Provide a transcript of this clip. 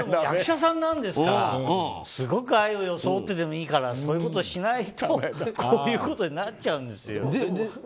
役者さんなんですからすごく愛を装ってでもいいからそういうことをしないとこういうことになっちゃうんですよ。